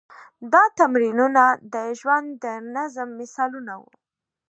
دا تمرینونه د ژوند د نظم مثالونه وو.